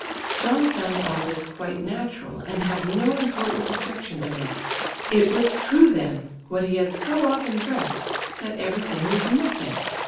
John found all this quite natural, and had no important objection to make. It was true then, what he had so often dreamt, that everything was nothing!